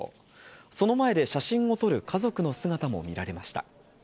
その前で写真を撮る家族の姿も見られました。